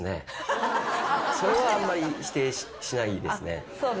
それはあんまり否定しないですね。